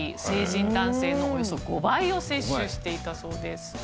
成人男性のおよそ５倍を摂取していたそうです。